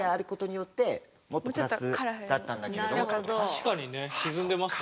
確かにね沈んでますよね。